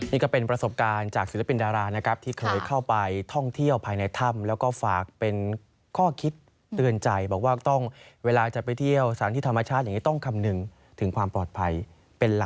นี่ก็เป็นประสบการณ์จากศิลปินดารานะครับที่เคยเข้าไปท่องเที่ยวภายในถ้ำแล้วก็ฝากเป็นข้อคิดเตือนใจบอกว่าต้องเวลาจะไปเที่ยวสถานที่ธรรมชาติอย่างนี้ต้องคำนึงถึงความปลอดภัยเป็นหลัก